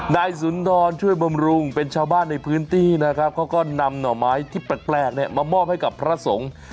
นายสุนทรช่วยบำรุงเป็นชาวบ้านในพื้นที่นะครับเขาก็นำหน่อไม้ที่แปลกเนี่ยมามอบให้กับพระสงฆ์